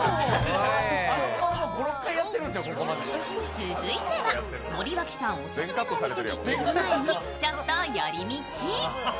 続いては森脇さんオススメのお店に行く前にちょっと寄り道。